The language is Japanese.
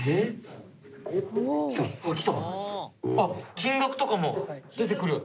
金額とかも出てくる。